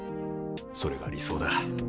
それが理想だ。